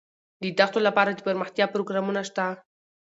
د دښتو لپاره دپرمختیا پروګرامونه شته.